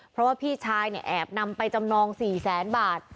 เพราะว่าพี่ชายเนี่ยแอบนำไปจำนอง๔แสนบาท